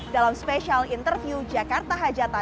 dalam spesial interview jakarta hajatan